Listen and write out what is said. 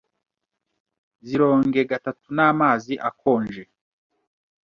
zironge gatatu n’amazi akonje